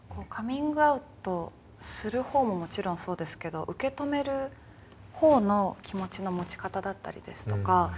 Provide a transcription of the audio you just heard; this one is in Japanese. カミングアウトする方ももちろんそうですけど受け止める方の気持ちの持ち方だったりですとか。